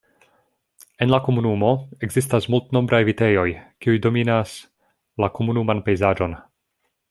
En la komunumo ekzistas multnombraj vitejoj, kiuj dominas la komunuman pejzaĝon.